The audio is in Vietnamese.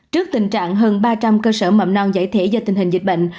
trước tình trạng hơn ba trăm linh cơ sở mầm non giải thể do tình hình dịch bệnh